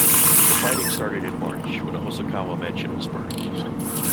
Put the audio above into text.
The fighting started in March when a Hosokawa mansion was burned.